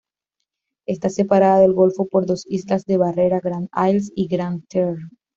Está separada del golfo por dos islas de barrera, "Grand Isle" y "Grand Terre".